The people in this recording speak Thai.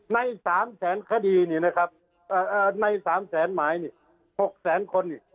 ในสามแสนคดีนี่นะครับเอ่อในสามแสนหมายนี่หกแสนคนนี่